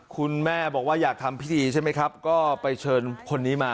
คุณแม่บอกว่าอยากทำพิธีใช่ไหมครับก็ไปเชิญคนนี้มา